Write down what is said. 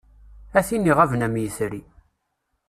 A tin iɣaben am yitri.